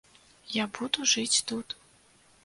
Я буду жыць тут.